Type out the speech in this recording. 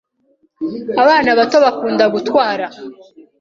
Abana bato bakunda gutwarwa.